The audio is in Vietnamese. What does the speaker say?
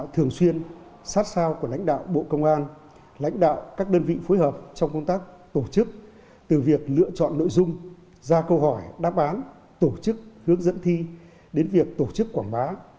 tổ chức hướng dẫn thi đến việc tổ chức quảng bá